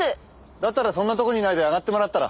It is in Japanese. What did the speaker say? だったらそんなとこにいないで上がってもらったら？